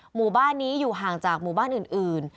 หมู่บ้านนี้อยู่ห่างจากหมู่บ้านอื่น